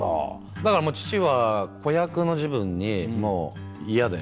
だから父は子役の時分にもう嫌で。